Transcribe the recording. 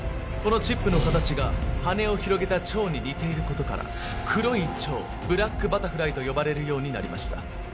このチップの形が羽を広げた蝶に似ていることから黒い蝶ブラックバタフライと呼ばれるようになりました